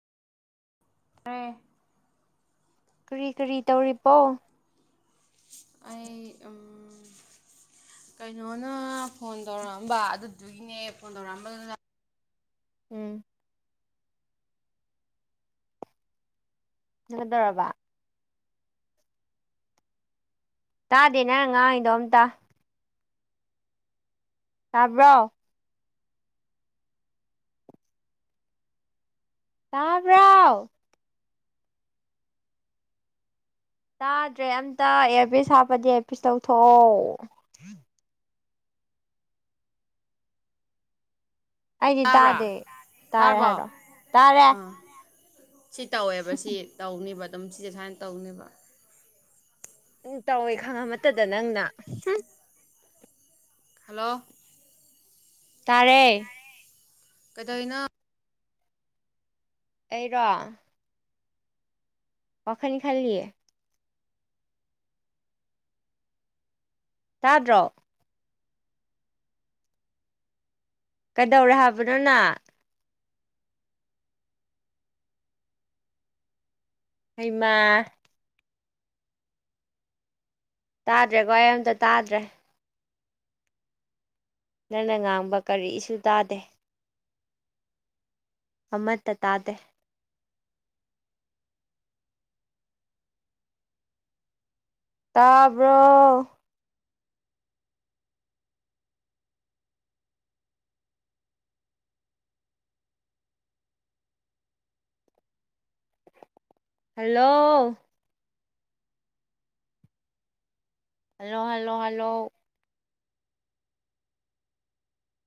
ꯇꯦ [unintelligible] [inaudible] ꯀꯔꯤ ꯀꯔꯤ ꯇꯧꯔꯤꯕꯔꯤꯕꯣ ꯑꯩ ꯀꯩꯅꯣꯅ ꯐꯣꯟ ꯇꯧꯔꯛꯑꯝꯕ ꯑꯗꯨꯗꯨꯒꯤꯅꯦ ꯐꯣꯟ ꯇꯧꯔꯛꯑꯝꯕꯗꯨꯗ ꯎꯝ ꯅꯪꯗꯧꯔꯕ ꯇꯥꯗꯦ ꯅꯪ ꯉꯥꯡꯉꯗꯣ ꯑꯝꯇ ꯇꯥꯕ꯭ꯔꯣ ꯇꯥꯕ꯭ꯔꯥꯎ ꯇꯥꯗ꯭ꯔꯦ ꯑꯝꯇ ꯑꯦꯌꯥꯔꯄꯤꯁ ꯍꯥꯞꯄꯗꯤ ꯑꯦꯌꯥꯔꯄꯤꯁ ꯇꯧꯊꯣꯛꯑꯣ ꯑꯩꯗꯤ ꯇꯥꯕ꯭ꯔꯥ ꯇꯥꯗꯦ ꯇꯥꯔꯦ ꯇꯥꯔꯕꯣ ꯍꯥꯏꯔꯣ ꯇꯥꯔꯦ ꯑꯥ ꯁꯤ ꯇꯧꯋꯦꯕ ꯁꯤ ꯇꯧꯅꯦꯕ ꯑꯗꯨꯝ ꯁꯤꯁꯦ ꯁꯨꯃꯥꯏꯅ ꯇꯧꯅꯦꯕ ꯎ ꯇꯧꯋꯦ ꯈꯪꯉ ꯑꯃꯇꯗ ꯅꯪꯅ ꯍꯜꯂꯣ ꯇꯔꯦ ꯀꯗꯥꯩꯅ ꯑꯩꯔꯣ ꯋꯥꯈꯅꯤ ꯈꯂꯂꯤꯌꯥ ꯇꯥꯗ꯭ꯔꯣ ꯀꯩꯗꯧꯔꯦ ꯍꯥꯏꯕꯅꯣꯅ ꯍꯩꯃ ꯇꯥꯗ꯭ꯔꯦꯀꯣ ꯑꯩ ꯑꯝꯇ ꯇꯥꯗ꯭ꯔꯦ ꯅꯪꯅ ꯉꯥꯡꯕ ꯀꯔꯤ ꯏꯁꯨ ꯇꯥꯗꯦ ꯑꯃꯠꯇ ꯇꯥꯗꯦ ꯇꯥꯕ꯭ꯔꯣ ꯍꯜꯂꯣ ꯍꯜꯂꯣ ꯍꯜꯂꯣ ꯍꯜꯂꯣ